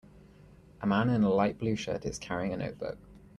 A man in a light blue shirt is carrying a notebook.